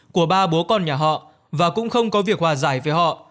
của ba bố con nhà họ và cũng không có việc hòa giải với họ